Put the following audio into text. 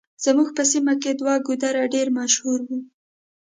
زموږ په سيمه کې دوه ګودره ډېر مشهور وو.